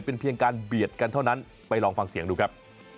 เป็นเพียงการเบียดกันเท่านั้นไปลองฟังเสียงดูครับ